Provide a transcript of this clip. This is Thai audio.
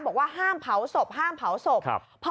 บอกว่าห้ามเผาศพห้ามเผาศพ